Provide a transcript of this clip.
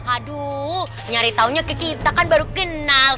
aduh nyari taunya ke kita kan baru kenal